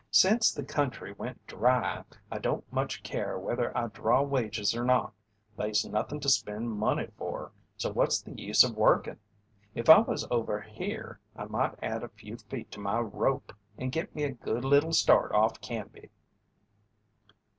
"Sence the country went dry I don't much care whether I draw wages or not they's nothin' to spend money for, so what's the use of workin'? If I was over here I might add a few feet to my rope and git me a good little start off Canby."